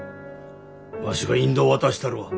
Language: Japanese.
わしが引導渡したるわ。